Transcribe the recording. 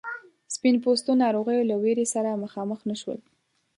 سپین پوستو ناروغیو له ویرې سره مخامخ نه شول.